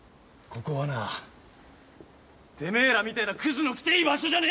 ここはなてめえらみてぇなクズの来ていい場所じゃねえんだよ！